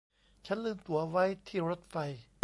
ฉันลืมตั๋วไว้ที่รถไฟ